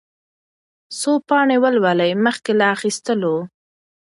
څو پاڼې ولولئ مخکې له اخيستلو.